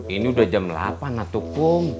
ini sudah jam delapan tukum